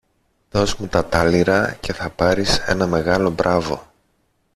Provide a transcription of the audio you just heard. Δωσ' μου τα τάλιρα και θα πάρεις ένα μεγάλο μπράβο.